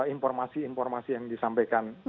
informasi informasi yang disampaikan